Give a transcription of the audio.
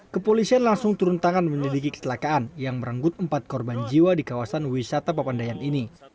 kepolisian langsung turun tangan menyelidiki kecelakaan yang merenggut empat korban jiwa di kawasan wisata pepandayan ini